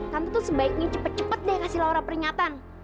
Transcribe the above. tante tuh sebaiknya cepet cepet deh kasih laura peringatan